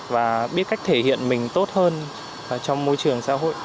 và biết cách thể hiện mình tốt hơn trong môi trường xã hội